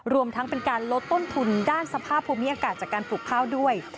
รวมทั้งเป็นการลดต้นทุนด้านสภาพภูมิอากาศจากการปลูกข้าวด้วย